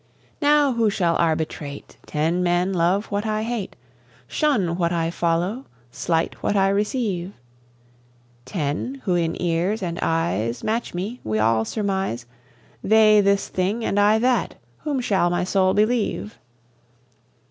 Now, who shall arbitrate? Ten men love what I hate, Shun what I follow, slight what I receive; Ten, who in ears and eyes Match me: we all surmise, They this thing, and I that: whom shall my soul believe?